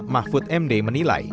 mahfud md menilai